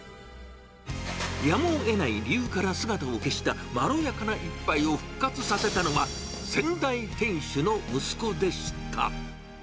やむをえない理由から姿を消したまろやかな一杯を復活させたのが先代店主の息子でした。